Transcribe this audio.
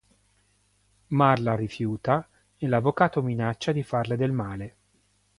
Marla rifiuta e l'avvocato minaccia di farle del male.